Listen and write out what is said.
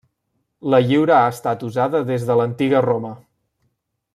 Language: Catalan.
La lliura ha estat usada des de l'Antiga Roma.